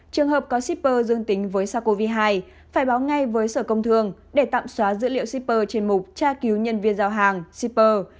trường hợp có shipper dương tính với sars cov hai phải báo ngay với sở công thương để tạm xóa dữ liệu shipper trên mục tra cứu nhân viên giao hàng shipper